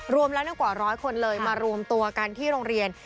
รวมเรานักกว่าร้อยคนมารวมตัวกันที่โรงเรียน